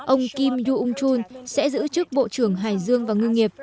ông kim yu ung chun sẽ giữ chức bộ trưởng hải dương và ngư nghiệp